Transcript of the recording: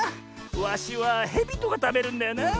ワシはヘビとかたべるんだよなあ。